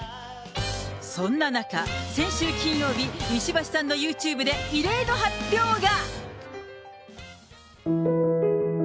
そんな中、先週金曜日、石橋さんのユーチューブで異例の発表が。